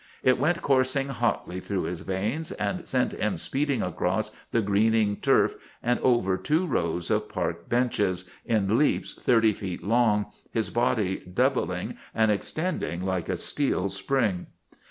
It went coursing hotly through his veins and sent him speeding across the greening turf and over two rows of park benches, in leaps thirty feet long, his body doubling and extending like a steel spring.